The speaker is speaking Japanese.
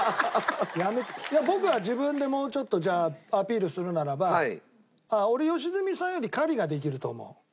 いや僕は自分でもうちょっとアピールするならば俺良純さんより狩りができると思う。